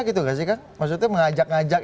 gitu gak sih kang maksudnya mengajak ngajak